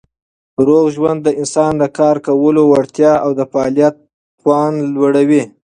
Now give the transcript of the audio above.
روغ ژوند د انسان د کار کولو وړتیا او د فعالیت توان لوړوي.